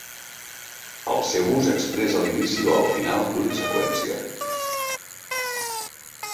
El seu ús expressa l'inici o el final d'una seqüència.